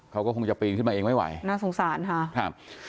เขาก็คงจะปีนขึ้นมาเองไม่ไหวน่าสงสารค่ะครับ